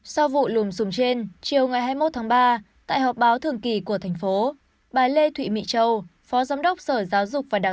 sau vụ lùm xùm trên chiều ngày hai mươi một tháng ba tại họp báo thường kỳ của thành phố bà lê thụy châu phó giám đốc sở giáo dục và đào